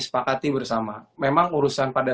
sepakati bersama memang urusan pada